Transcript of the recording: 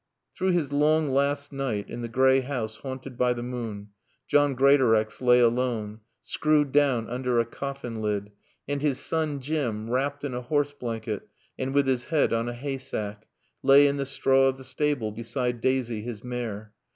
Through his long last night in the gray house haunted by the moon, John Greatorex lay alone, screwed down under a coffin lid, and his son, Jim, wrapped in a horse blanket and with his head on a hay sack, lay in the straw of the stable, beside Daisy his mare.